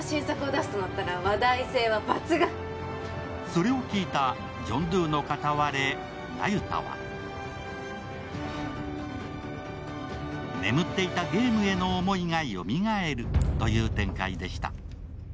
それを聞いたジョンドゥの片割れ・那由他は眠っていたゲームへの思いがよみがえるという展開でした。